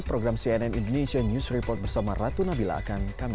program cnn indonesia news report bersama raya jokowi dan pak jokowi